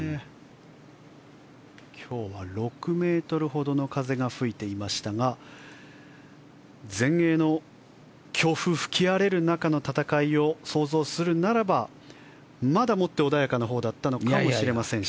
今日は６メートルほどの風が吹いていましたが全英の強風吹き荒れる中の戦いを想像するならばまだ穏やかなほうだったのかもしれませんし。